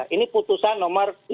ini putusan no tujuh